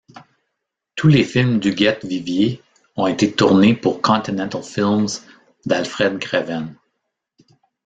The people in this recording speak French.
Tous les films d'Huguette Vivier ont été tournés pour Continental-Films d'Alfred Greven.